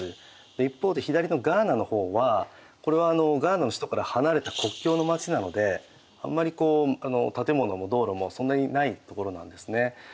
一方で左のガーナの方はこれはガーナの首都から離れた国境の街なのであんまり建物も道路もそんなにないところなんですね。